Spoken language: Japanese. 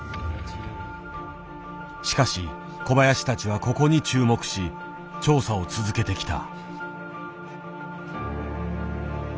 しかし小林たちはここに注目し調査を続けてきた。